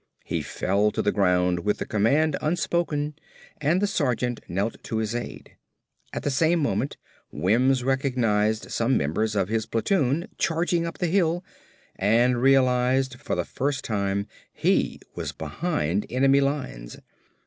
He fell to the ground with the command unspoken and the sergeant knelt to his aid. At the same moment Wims recognized some members of his platoon charging up the hill and realized for the first time he was behind enemy lines.